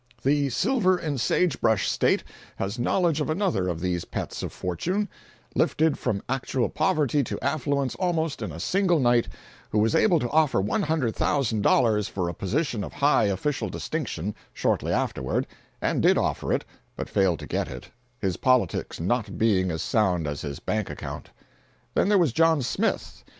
321.jpg (31K) The silver and sage brush State has knowledge of another of these pets of fortune—lifted from actual poverty to affluence almost in a single night—who was able to offer $100,000 for a position of high official distinction, shortly afterward, and did offer it—but failed to get it, his politics not being as sound as his bank account. Then there was John Smith.